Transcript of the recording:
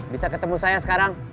bisa ketemu saya sekarang